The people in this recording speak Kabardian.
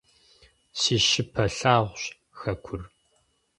Си щыпэ лъагъущ хэкур.